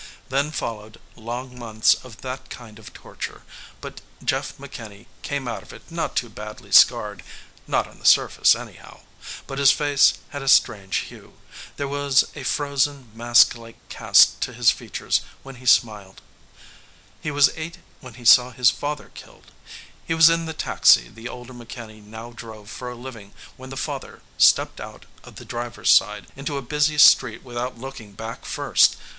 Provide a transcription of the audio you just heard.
Then followed, long months of that kind of torture, but Jeff McKinney came out of it not too badly scarred. Not on the surface, anyhow. But his face had a strange hue. There was a frozen, mask like cast to his features when he smiled. He was eight when he saw his father killed. He was in the taxi the older McKinney now drove for a living when the father stepped out of the driver's side onto a busy street without looking back first.